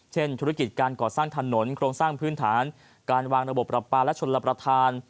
ธุรกิจการก่อสร้างถนนโครงสร้างพื้นฐานการวางระบบปรับปลาและชนรับประทาน